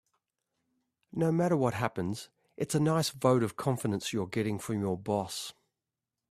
No matter what happens, it's a nice vote of confidence you're getting from your boss.